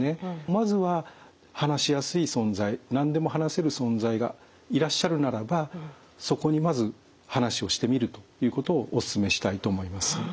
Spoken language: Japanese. まずは話しやすい存在何でも話せる存在がいらっしゃるならばそこにまず話をしてみるということをお勧めしたいと思います。